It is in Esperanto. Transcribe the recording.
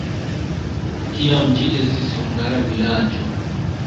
Tiam ĝi estis hungara vilaĝo.